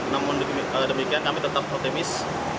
namun demikian kami tetap optimis